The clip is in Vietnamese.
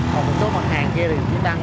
còn một số mặt hàng kia thì tăng